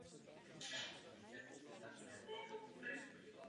Snahy o jejich vydání zpět k soudu byly nesmírně obtížné.